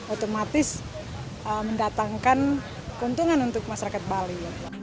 otomatis mendatangkan keuntungan untuk masyarakat bali